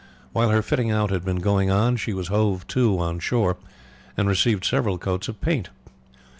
While her fitting out had been going on she was hove up on shore and received several coats of paint.